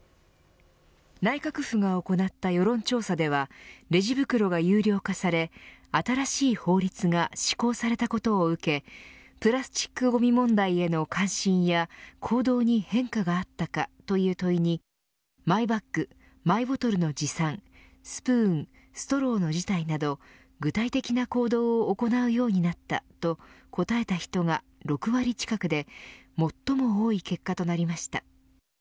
内閣府が行った世論調査ではレジ袋が有料化され新しい法律が施行されたことを受けプラスチックごみ問題への関心や行動に変化があったかという問いにマイバッグマイボトルの持参スプーン、ストローの辞退など具体的な行動を行うようになったと答えた人が６割近くで最も多い結果となりました。